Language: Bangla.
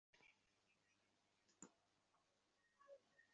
সারা জীবন নেশা করে কাটানো ঠিক না।